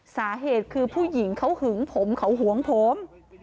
สาเหตุคือผู้หญิงเขาหึงผมเขาหวงผม